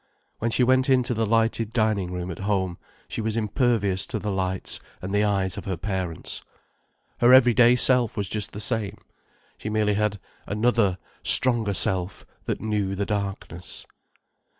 When she went into the lighted dining room at home, she was impervious to the lights and the eyes of her parents. Her everyday self was just the same. She merely had another, stronger self that knew the darkness.